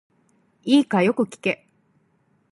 いいか、よく聞け。